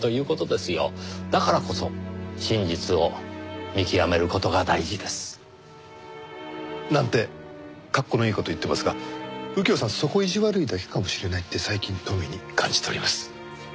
だからこそ真実を見極める事が大事です。なんて格好のいい事を言ってますが右京さんは底意地悪いだけかもしれないって最近とみに感じております。